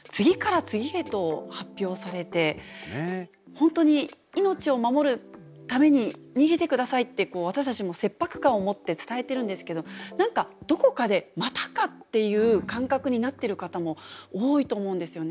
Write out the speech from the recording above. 本当に命を守るために逃げてくださいって私たちも切迫感を持って伝えてるんですけど何かどこかでまたかっていう感覚になってる方も多いと思うんですよね。